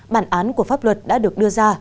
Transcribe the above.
bản án của pháp luật đã được đưa ra